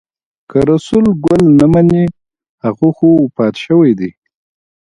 که رسول ګل نه مني هغه خو وفات شوی دی.